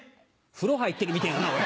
風呂入ってるみてぇだな。